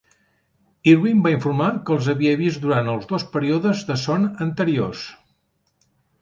Irwin va informar que els havia vist durant els dos períodes de son anteriors.